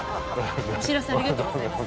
お知らせありがとうございます。